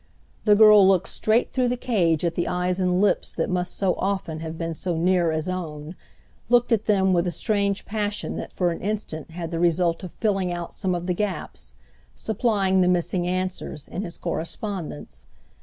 The girl looked straight through the cage at the eyes and lips that must so often have been so near as own—looked at them with a strange passion that for an instant had the result of filling out some of the gaps, supplying the missing answers, in his correspondence.